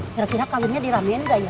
kira kira kawinnya diramein gak ya